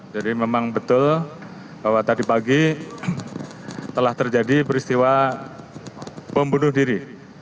jadi memang betul bahwa tadi pagi telah terjadi peristiwa pembunuh diri